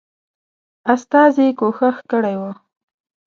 استازي کوښښ کړی وو.